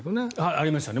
ありましたね。